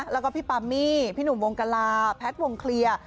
แล้วก็พี่ปามี่พี่หนุ่มวงกลาแพทย์วงเคลียร์